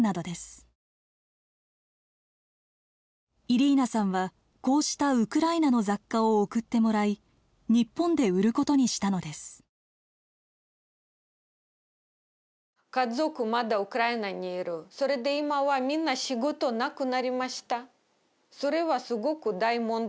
イリーナさんはこうしたウクライナの雑貨を送ってもらい日本で売ることにしたのです。